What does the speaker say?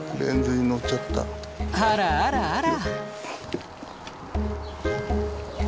あらあらあら。